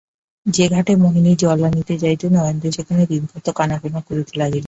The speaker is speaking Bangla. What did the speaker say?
যে ঘাটে মোহিনী জল আনিতে যাইত, নরেন্দ্র সেখানে দিন কতক আনাগোনা করিতে লাগিলেন।